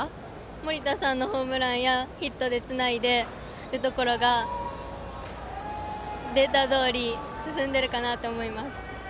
森田さんのホームランやヒットでつないでいるところがデータどおり進んでるかなと思います。